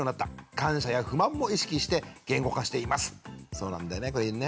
そうなんだよね